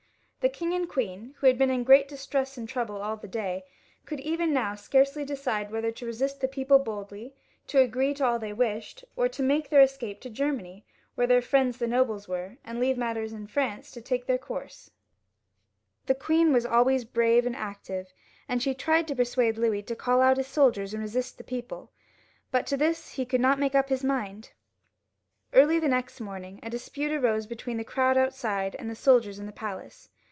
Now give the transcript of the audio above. The king and queen, who had been in great distress and trouble all the day, could even now scarcely decide whether to resist the people boldly, to agree to aU they wished, or to make their escape to Grermany, where their friends the nobles were, and leave matters in France to take their XLVIL] LOUIS XVL 389 course. The queen was always brave and active, and she tried to persuade Louis to call out his soldiers and re sist the people, but to this he could not make up his mind. Early the next morning a dispute arose between the crowd outside and the soldiers in the palace.